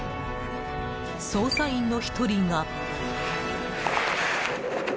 捜査員の１人が。